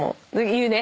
言うね。